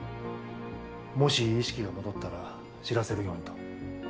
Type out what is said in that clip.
もし意識が戻ったら知らせるようにと。